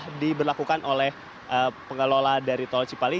yang diberlakukan oleh pengelola dari tol cipali